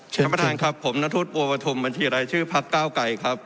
ท่านประธานครับผมนัทวุฒิบัวปฐมบัญชีรายชื่อพักเก้าไกรครับ